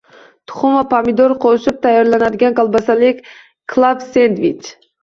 Tuxum va pomidor qo‘shib tayyorlanadigan kolbasali klab-sendvich